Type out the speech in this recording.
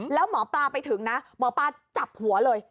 แล้วหมอปลาไปถึงนะหมอปลาจับหัวเลย